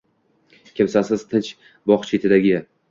Kimsasiz, tinch bogʻ chetidagi